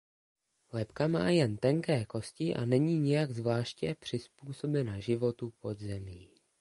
Lebka má jen tenké kosti a není nijak zvláště přizpůsobena životu pod zemí.